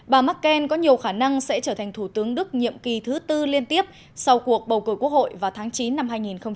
bà mccain có nhiều khả năng sẽ trở thành thủ tướng đức nhiệm kỳ thứ tư liên tiếp sau cuộc bầu cử quốc hội vào tháng chín năm hai nghìn hai mươi